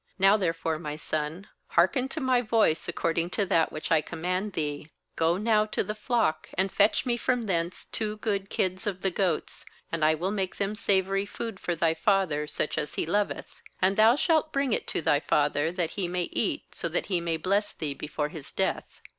8Now therefore, my son, hearken to my voice accord ing to that which I command thee. 9Go now to the flock, and fetch me from thence two good kids of the goats; and I will make them savoury food for thy father, such as he lov eth; 10and thou shalt bring it to thy father, that he may eat, so that. he may bless thee before his death.'